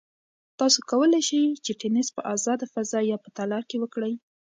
تاسو کولای شئ چې تېنس په ازاده فضا یا په تالار کې وکړئ.